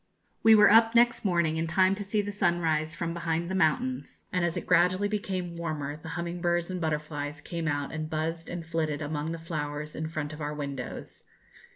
We were up next morning in time to see the sun rise from behind the mountains, and as it gradually became warmer the humming birds and butterflies came out and buzzed and flitted among the flowers in front of our windows.